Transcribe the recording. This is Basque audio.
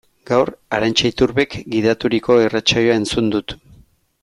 Gaur Arantxa Iturbek gidaturiko irratsaioa entzun dut.